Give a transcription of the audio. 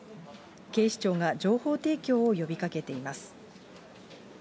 警視庁が情報提供を呼びかけています。